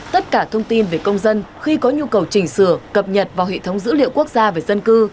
tất cả thông tin về công dân khi có nhu cầu chỉnh sửa cập nhật vào hệ thống dữ liệu quốc gia về dân cư